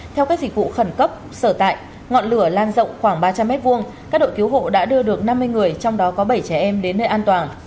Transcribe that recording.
theo các dịch vụ khẩn cấp sở tại ngọn lửa lan rộng khoảng ba trăm linh m hai các đội cứu hộ đã đưa được năm mươi người trong đó có bảy trẻ em đến nơi an toàn